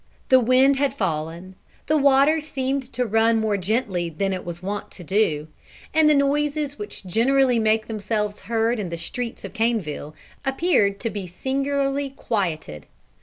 The wind had fallen; the water seemed to run more gently than it was wont to do; and the noises which generally make themselves heard in the streets of Caneville appeared to be singularly quieted.